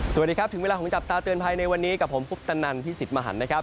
สวัสดีครับถึงเวลาของจับตาเตือนภัยในวันนี้กับผมคุปตนันพี่สิทธิ์มหันนะครับ